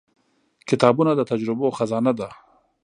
• کتابونه د تجربو خزانه ده.